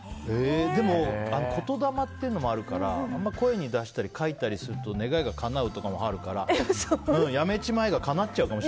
でも、言霊というのもあるから声に出したり書いたりすると願いがかなうとかもあるからやめちまえが叶っちゃうかも。